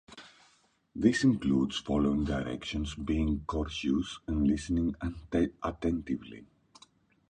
This includes following directions, being courteous, and listening attentively.